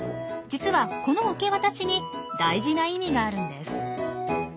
実はこの受け渡しに大事な意味があるんです。